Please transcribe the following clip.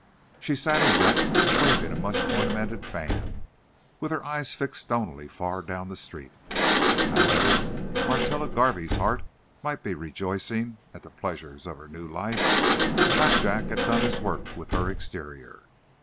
She sat erect, waving a much ornamented fan, with her eyes fixed stonily far down the street. However Martella Garvey's heart might be rejoicing at the pleasures of her new life, Blackjack had done his work with her exterior.